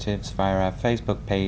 thông qua địa chỉ facebook